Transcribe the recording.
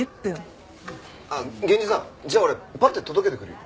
源治さんじゃあ俺パッて届けてくるよ。